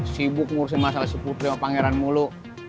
sibuk ngurusin masalah si putri sama pangeran mulu